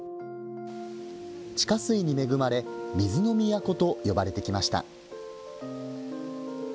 地下水に恵まれ水の都と呼ばれてきました。